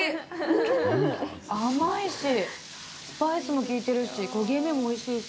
甘いしスパイスも効いてるし焦げ目もおいしいし。